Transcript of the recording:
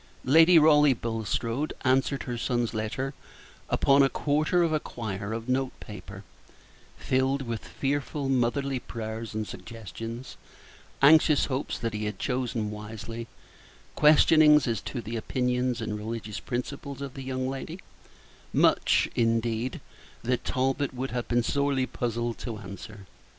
Lady Raleigh Bulstrode answered her son's letter upon a quarter of a quire of note paper, filled with fearful motherly prayers and suggestions; anxious hopes that he had chosen wisely; questionings as to the opinions and religious principles of the young lady much, indeed, that Talbot would have been sorely puzzled to answer.